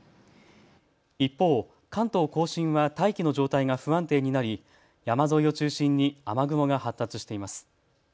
一方、関東甲信は大気の状態が不安定になり、山沿いを中心に雨雲が発達しています。